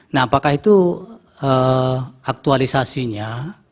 nah apakah itu aktualisasinya